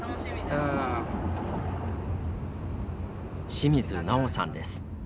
清水尚雄さんです。